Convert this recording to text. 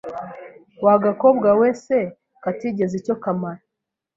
Wa gakobwa we se katagize icyo kamara,